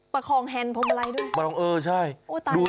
ประคองแฮนส์พร้อมไรด้วย